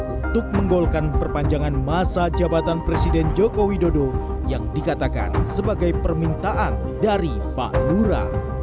untuk menggolkan perpanjangan masa jabatan presiden joko widodo yang dikatakan sebagai permintaan dari pak lura